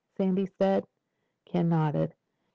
Sandy said. Ken nodded.